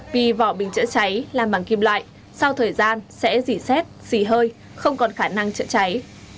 vì vỏ bình chữa cháy làm bằng kim loại sau thời gian sẽ dỉ xét xỉ hơi không còn khả năng chữa cháy